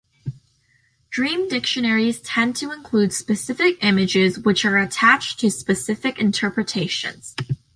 Dream dictionaries tend to include specific images which are attached to specific interpretations.